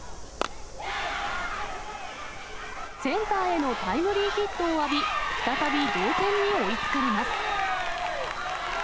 センターへのタイムリーヒットを浴び、再び同点に追いつかれます。